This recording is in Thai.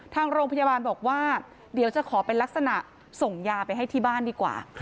ทางโรงพยาบาลบอกว่าเดี๋ยวจะขอเป็นลักษณะส่งยาไปให้ที่บ้านดีกว่า